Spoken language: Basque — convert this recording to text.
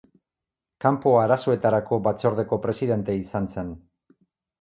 Kanpo Arazoetarako Batzordeko presidente izan zen.